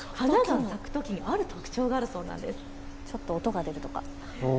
花が咲くとき、ある特徴があるそうです。